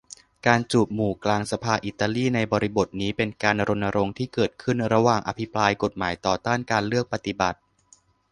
การจูบหมู่กลางสภาอิตาลีในบริบทนี้ เป็นการรณรงค์ที่เกิดขึ้นระหว่างอภิปรายกฎหมายต่อต้านการเลือกปฏิบัติ